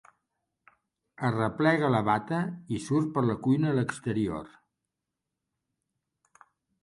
Arreplega la bata i surt per la cuina a l'exterior.